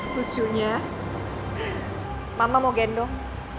lucunya mama mau gendong